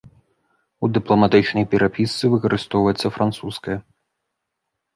У дыпламатычнай перапісцы выкарыстоўваецца французская.